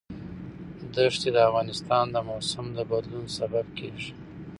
دښتې د افغانستان د موسم د بدلون سبب کېږي.